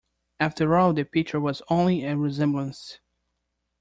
After all, the picture was only a resemblance.